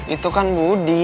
itu kan budi